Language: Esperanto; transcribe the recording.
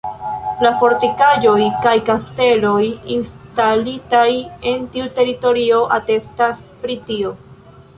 La fortikaĵoj kaj kasteloj instalitaj en tiu teritorio atestas pri tio.